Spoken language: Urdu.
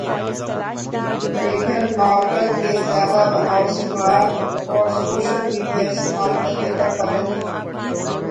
میگھن مارکل کے زیادہ بنائو سنگھار اور سوشل میڈیا استعمال کرنے پر پابندی